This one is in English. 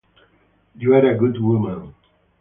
You are a good woman.